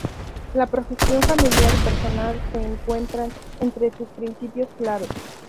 La progresión familiar y personal se encuentran entre sus principios clave.